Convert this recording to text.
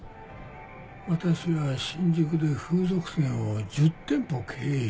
私は新宿で風俗店を１０店舗経営しててね。